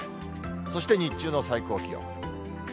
そして日中の最高気温。